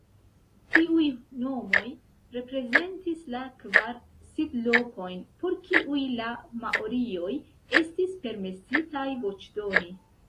Tiuj nomoj reprezentis la kvar sidlokojn por kiuj la maorioj estis permesitaj voĉdoni.